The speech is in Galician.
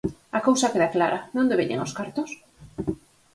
A cousa queda clara: ¿de onde veñen os cartos?